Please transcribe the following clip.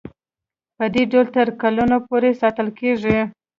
پدې ډول تر کلونو پورې ساتل کیږي.